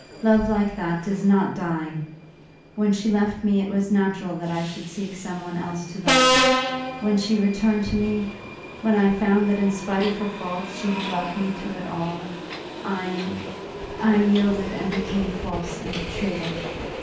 Love like that does not die. When she left me it was natural that I should seek some one else to love. When she returned to me, when I found that in spite of her faults she had loved me through it all, I I yielded and became false and a traitor.